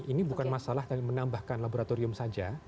ini bukan masalah menambahkan laboratorium saja